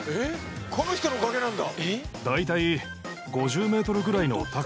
この人のおかげなんだ！